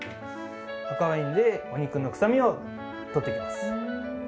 赤ワインでお肉の臭みを取っていきます。